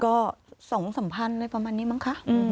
ก็๒สัมพันธุ์เลยประมาณนี้มั้งคะ